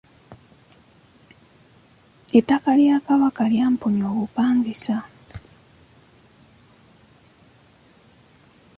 Ettaka Lya Kabaka lyamponya obupangisa.